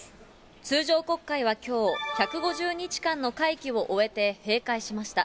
通常国会はきょう、１５０日間の会期を終えて閉会しました。